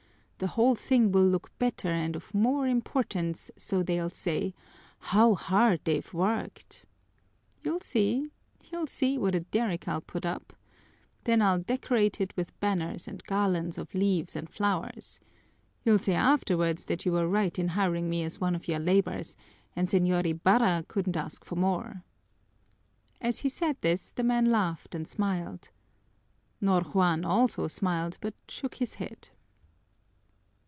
The whole thing will look better and of more importance, so they'll say, 'How hard they've worked!' You'll see, you'll see what a derrick I'll put up! Then I'll decorate it with banners, and garlands of leaves and flowers. You'll say afterwards that you were right in hiring me as one of your laborers, and Señor Ibarra couldn't ask for more!" As he said this the man laughed and smiled. Ñor Juan also smiled, but shook his head.